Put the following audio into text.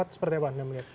seperti apa anda melihat